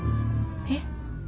えっ？